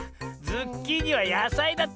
ズッキーニはやさいだった。